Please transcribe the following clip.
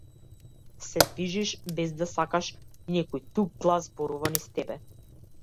Се движиш без да сакаш и некој туѓ глас зборува низ тебе.